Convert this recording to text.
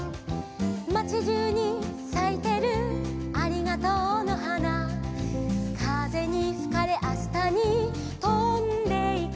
「まちじゅうにさいてるありがとうのはな」「かぜにふかれあしたにとんでいく」